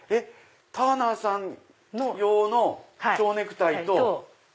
ターナーさん用の蝶ネクタイと。